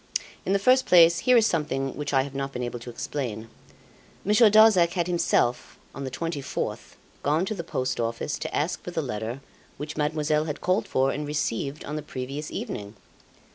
In the first place here is something which I have not been able to explain Monsieur Darzac had himself, on the 24th, gone to the Post Office to ask for the letter which Mademoiselle had called for and received on the previous evening.